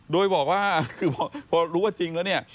โดยบอกว่าคือพอรู้ว่าจริงแล้วเนี่ย